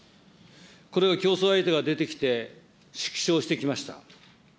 これが競争相手が出てきて、縮小してきました。